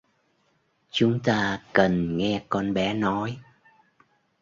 Chúng ta cần nghe con bé nói